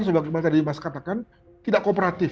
sebagaimana tadi mas katakan tidak kooperatif